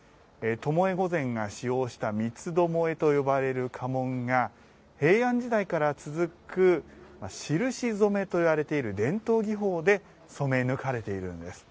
巴御前が使用した三つ巴と呼ばれる家紋が平安時代から続くしるし染めと呼ばれている伝統技法で染め抜かれているんです。